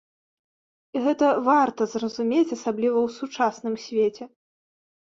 І гэта варта зразумець, асабліва ў сучасным свеце.